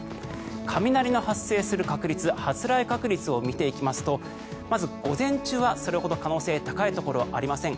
雷の発生する確率発雷確率を見ていきますと午前中はそれほど高いところはありません。